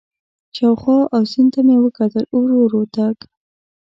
شاوخوا او سیند ته مې وکتل، ورو ورو تګ.